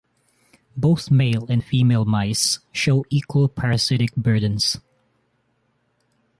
Both male and female mice show equal parasitic burdens.